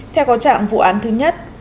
theo có trạng vụ án thứ nhất